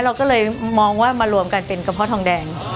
เราก็เลยมองว่ามารวมกันเป็นกระเพาะทองแดง